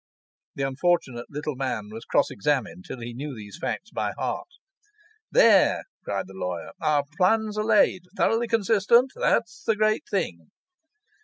The unfortunate little man was cross examined till he knew these facts by heart. 'There!' cried the lawyer. 'Our plans are laid. Thoroughly consistent that's the great thing.